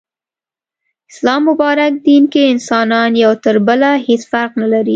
اسلام مبارک دين کي انسانان يو تر بله هيڅ فرق نلري